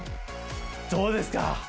どうですか？